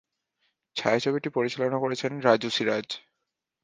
ছায়াছবিটি পরিচালনা করেছেন রাজু সিরাজ।